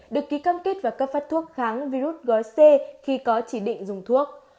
được ký cam kết và cấp phát thuốc kháng virus gói c khi có chỉ định dùng thuốc